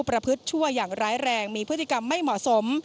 ประพฤติชั่วอย่างร้ายแรงมีพฤติกรรมไม่เหมาะสม